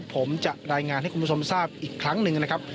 ผมจะรายงานให้คุณผู้ชมทราบอีกครั้งหนึ่งนะครับ